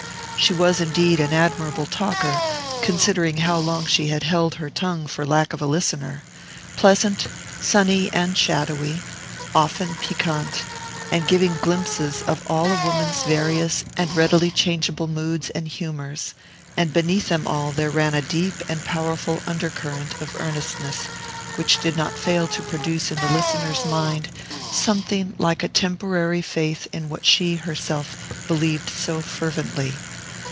She was indeed an admirable talker, considering how long she had held her tongue for lack of a listener, pleasant, sunny and shadowy, often piquant, and giving glimpses of all a woman's various and readily changeable moods and humors; and beneath them all there ran a deep and powerful under current of earnestness, which did not fail to produce in the listener's mind something like a temporary faith in what she herself believed so fervently.